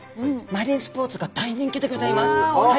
マリンスポーツが大人気でギョざいます。